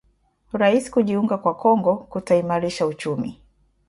Rais kujiunga kwa Kongo kutaimarisha uchumi